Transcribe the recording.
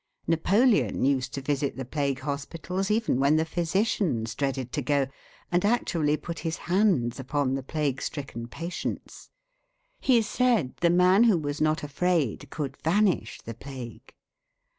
Napoleon used to visit the plague hospitals even when the physicians dreaded to go, and actually put his hands upon the plague stricken patients. He said the man who was not afraid could vanish the plague.